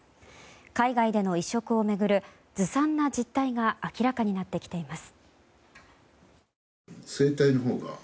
海外での移植を巡るずさんな実態が明らかになってきています。